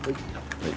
はい。